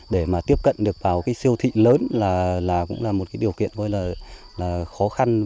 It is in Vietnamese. để mà tiếp cận được vào cái siêu thị lớn là cũng là một cái điều kiện gọi là khó khăn